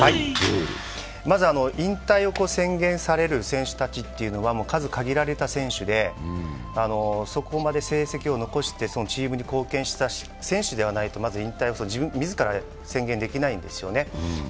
まず引退を宣言される選手たちというのは、数限られた選手でそこまで活躍してチームに貢献した選手でないとまず引退を自ら宣言できないんです。